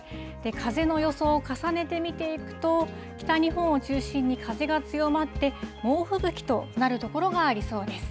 風の予想を重ねて見ていくと、北日本を中心に風が強まって、猛吹雪となる所がありそうです。